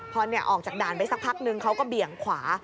พอออกจากด่านไปสักพักนึงเขาก็เบี่ยงขวา